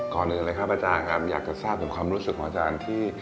ก่อนเลยเลยครับอาจารย์อยากจะทราบความรู้สึกของอาจารย์ที่